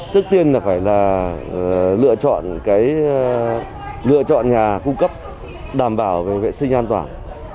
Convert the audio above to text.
tức tiên là phải lựa chọn nhà cung cấp đảm bảo về vệ sinh an toàn